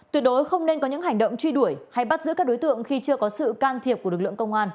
tuyệt đối không nên có những hành động truy đuổi hay bắt giữ các đối tượng khi chưa có sự can thiệp của lực lượng công an